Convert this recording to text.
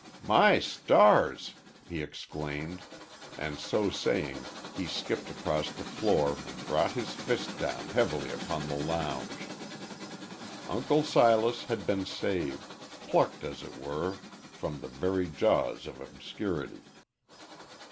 "My stars!" he exclaimed, and so saying he skipped across the floor and brought his fist down heavily upon the lounge. Uncle Silas had been saved plucked, as it were, from the very jaws of obscurity.